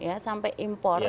ya sampai impor